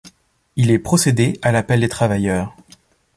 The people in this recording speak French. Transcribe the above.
Il est procédé à l’appel des travailleurs.